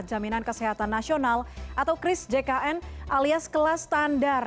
jaminan kesehatan nasional atau krisjkn alias kelas standar